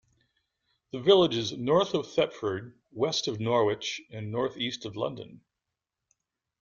The village is North of Thetford, west of Norwich and north-east of London.